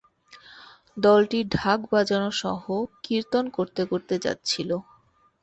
দলটি ঢাক বাজানো সহ কীর্তন করতে করতে যাচ্ছিল।